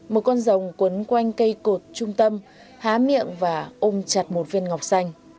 một con rồng quấn quanh cây cột trung tâm há miệng và ôm chặt một viên ngọc xanh